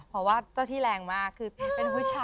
เพราะว่าเจ้าที่แรงมากคือเป็นผู้ชาย